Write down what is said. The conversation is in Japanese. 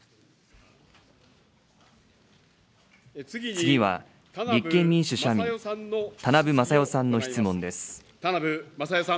次は立憲民主・社民、田名部匡代さんの質問です。